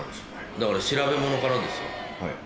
だから調べ物からですよ。